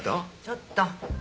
ちょっと。